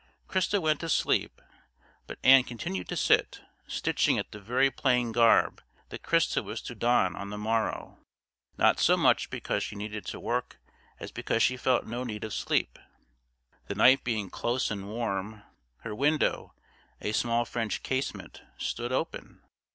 Christa went to sleep, but Ann continued to sit, stitching at the very plain garb that Christa was to don on the morrow, not so much because she needed to work as because she felt no need of sleep. The night being close and warm, her window, a small French casement, stood open.